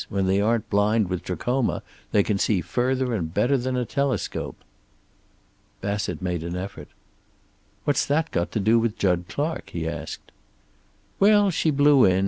When they aren't blind with trachoma they can see further and better than a telescope." Bassett made an effort. "What's that got to do with Jud Clark?" he asked. "Well, she blew in.